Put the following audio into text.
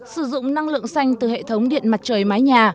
sử dụng năng lượng xanh từ hệ thống điện mặt trời mái nhà